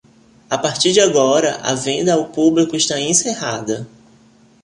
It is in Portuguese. a partir de agora, a venda ao publico está encerrada